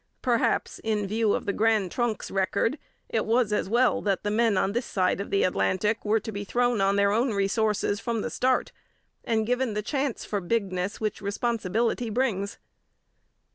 Perhaps, in view of the Grand Trunk's record, it was as well that the men on this side of the Atlantic were to be thrown on their own resources from the start, and given the chance for bigness which responsibility brings.